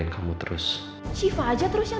yang bener nih yang nanti lucas